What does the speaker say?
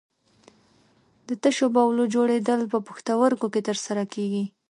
د تشو بولو جوړېدل په پښتورګو کې تر سره کېږي.